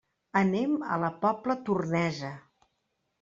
Anem a la Pobla Tornesa.